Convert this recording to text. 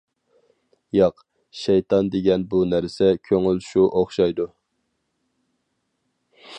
ياق، شەيتان دېگەن بۇ نەرسە كۆڭۈل شۇ ئوخشايدۇ.